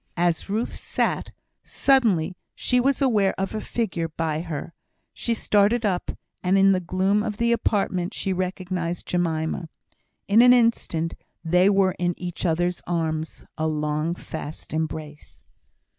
As Ruth sat, suddenly she was aware of a figure by her; she started up, and in the gloom of the apartment she recognised Jemima. In an instant they were in each other's arms a long, fast embrace.